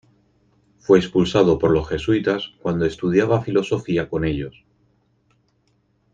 Fue expulsado por los jesuitas cuando estudiaba filosofía con ellos.